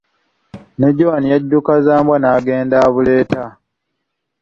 Ne Jowani yadduka za mbwa, n'agenda abuleeta.